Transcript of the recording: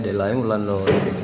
để lấy một lần rồi